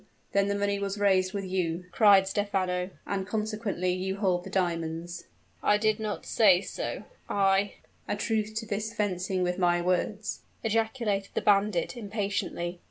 then the money was raised with you," cried Stephano, "and consequently you hold the diamonds." "I did not say so I " "A truce to this fencing with my words!" ejaculated the bandit, impatiently.